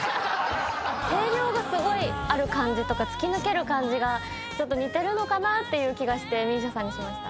声量がすごいある感じとか突き抜ける感じがちょっと似てるのかなっていう気がしてＭＩＳＩＡさんにしました。